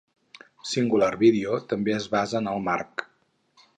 Cingular Video també es basa en el marc.